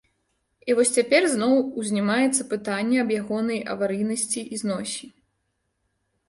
І вось цяпер зноў узнімаецца пытанне аб ягонай аварыйнасці і зносе.